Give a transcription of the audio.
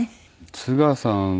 津川さん